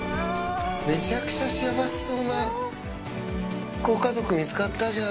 めちゃくちゃ幸せそうなご家族、見つかったじゃん。